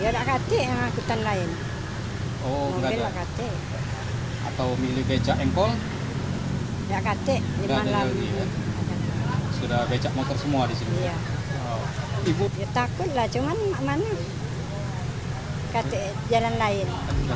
takut lah cuma emang mana jalan lain